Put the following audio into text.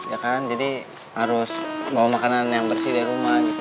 ya kan jadi harus bawa makanan yang bersih dari rumah gitu